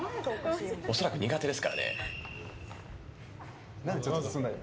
恐らく苦手ですからね。